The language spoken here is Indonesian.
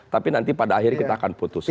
tapi nanti pada akhirnya kita akan putuskan